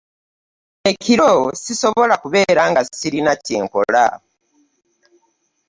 Ekiro sisobola kubeera nga Sirina kye nkola.